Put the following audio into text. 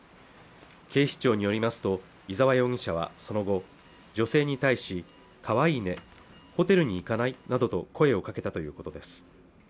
警視庁によりますと伊沢容疑者はその後女性に対し可愛いねホテルに行かない？などと声をかけたということです